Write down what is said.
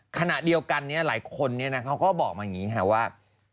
ขณะเดียวกันเนี่ยหลายคนเนี่ยนะเขาก็บอกมาอย่างงี้ค่ะว่า